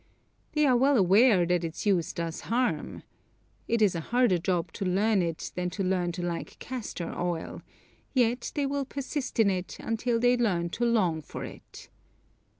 They are well aware that its use does harm. It is a harder job to learn it than to learn to like castor oil, yet they will persist in it until they learn to long for it.